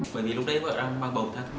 bởi vì lúc đấy bà đang mang bầu tháng ba